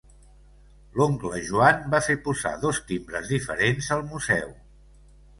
L'oncle Joan va fer posar dos timbres diferents al museu.